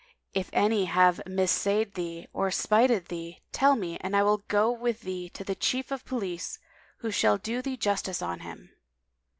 If any have missaid thee or spited thee, tell me and I will go with thee to the Chief of Police, who shall do thee justice on him."